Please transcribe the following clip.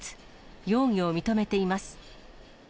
容疑を認めています。